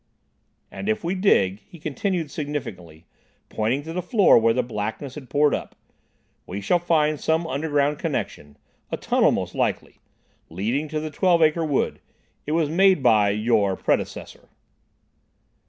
"And, if we dig," he continued significantly, pointing to the floor where the blackness had poured up, "we shall find some underground connection—a tunnel most likely—leading to the Twelve Acre Wood. It was made by—your predecessor."